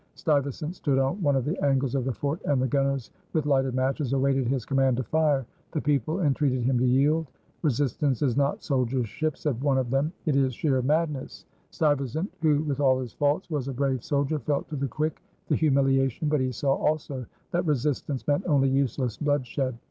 Stuyvesant stood on one of the angles of the fort and the gunners with lighted matches awaited his command to fire. The people entreated him to yield. "Resistance is not soldiership," said one of them. "It is sheer madness." Stuyvesant, who with all his faults was a brave soldier, felt to the quick the humiliation; but he saw also that resistance meant only useless bloodshed.